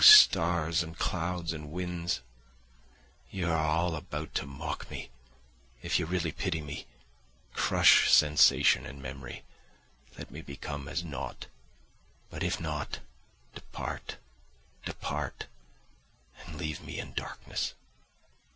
stars and clouds and winds, ye are all about to mock me; if ye really pity me, crush sensation and memory; let me become as nought; but if not, depart, depart, and leave me in darkness."